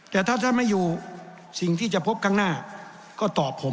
แต่ถ้าท่านไม่อยู่สิ่งที่จะพบข้างหน้าก็ตอบผม